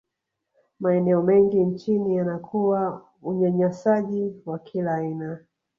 maeneo mengi nchini yanakuwa unyanyasaji wa kila aina